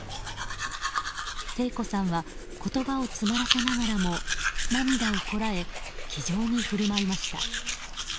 聖子さんは言葉を詰まらせながらも涙をこらえ気丈に振る舞いました。